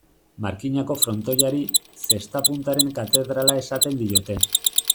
Markinako frontoiari, zesta-puntaren katedrala esaten diote.